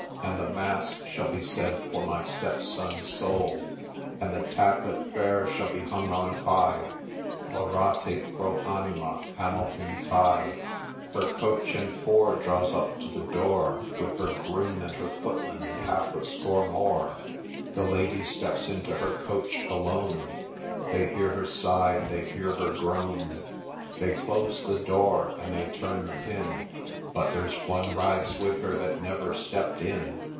And the mass shall be said for my step son's soul, And the tablet fair shall be hung on high, Orate pro animd Hamilton Tighe !' Her coach and four Draws up to the door, With her groom, and her footman, and half a score more The lady steps into her coach alone, They hear her sigh, and thej7 hear her groan ; They close the door, and they turn the pin, But there 's One rides with her that never slept in